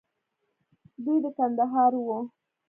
دوى د کندهار وو.